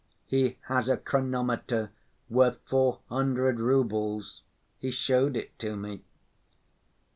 "He has a chronometer worth four hundred roubles; he showed it to me."